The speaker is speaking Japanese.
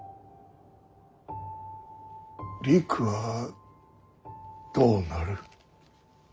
りくはどうなる。